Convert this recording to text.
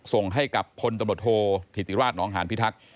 ส่งให้กับพศทิศิราชน้องหารพิธักษ์